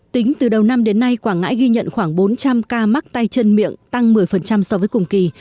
tính từ đầu năm đến nay quảng ngãi ghi nhận khoảng bốn trăm linh ca mắc tay chân miệng tăng một mươi so với cùng kỳ